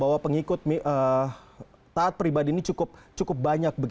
bahwa pengikut taat pribadi ini cukup banyak